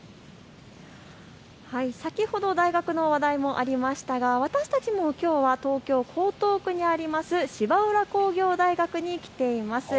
先ほど大学の話題もありましたが私たちもきょう東京江東区にあります芝浦工業大学に来ています。